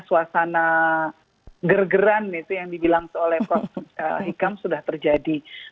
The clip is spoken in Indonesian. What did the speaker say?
suasana ger geran itu yang dibilang oleh prof ikam sudah terjadi